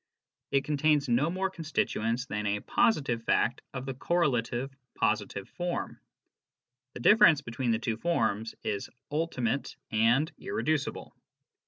It contains no more constituents than a positive fact of the correlative positive form. The difference between the two forms is ultimate and irreducible.